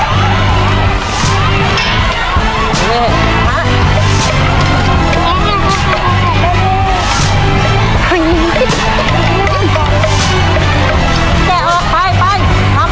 คงต้องระวังมีดระวังมือกันด้วยนะครับ